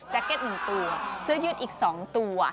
เก็ต๑ตัวเสื้อยืดอีก๒ตัว